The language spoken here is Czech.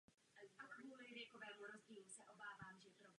Spíše by se dle nich mělo jednat o doplnění možností přepravy.